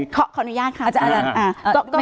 อ๋ออ๋อเขาเข้าใจ